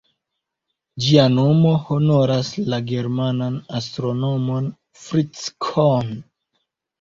Ĝia nomo honoras la germanan astronomon Fritz Cohn.